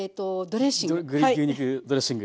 牛肉ドレッシング。